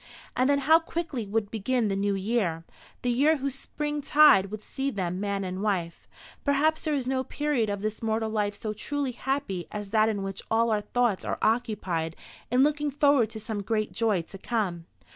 And then how quickly would begin the new year, the year whose spring tide would see them man and wife! Perhaps there is no period of this mortal life so truly happy as that in which all our thoughts are occupied in looking forward to some great joy to come.